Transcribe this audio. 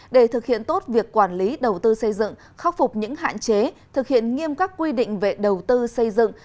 để thực hiện tốt việc quản lý đầu tư xây dựng khắc phục những hạn chế thực hiện nghiêm các quy định về đầu tư xây dựng